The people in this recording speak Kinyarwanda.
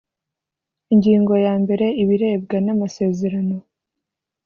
Ingingo ya mbere Ibirebwa n amasezerano